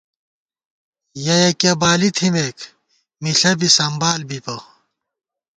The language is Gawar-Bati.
یَہ یَکِہ بالی تھِمېک ، مِݪہ بی سمبال بِبَہ